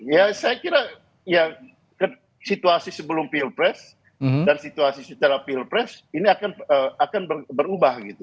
ya saya kira ya situasi sebelum pilpres dan situasi secara pilpres ini akan berubah gitu